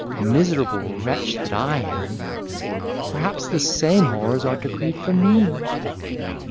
Miserable wretch that I am! perhaps the same horrors are decreed for me!"